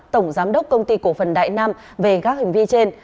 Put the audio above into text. tổng giám đốc công ty cổ phần đại nam về các hành vi trên